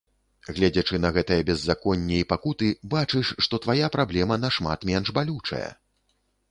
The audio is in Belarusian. Гледзячы на гэтае беззаконне і пакуты, бачыш, што твая праблема нашмат менш балючая.